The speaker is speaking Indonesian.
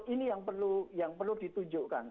ini yang perlu ditunjukkan